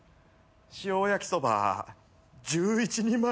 塩焼きそば１１人前。